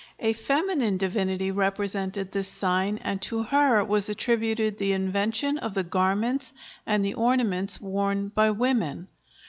A feminine divinity represented this sign and to her was attributed the invention of the garments and the ornaments worn by women.